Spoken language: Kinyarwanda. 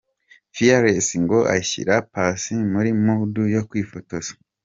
Fearless ngo ashyira Paccy muri 'mood' yo kwifotoza.